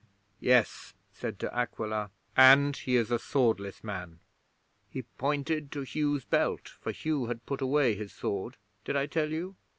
'"Yes," said De Aquila. "And he is a swordless man." He pointed to Hugh's belt, for Hugh had put away his sword did I tell you?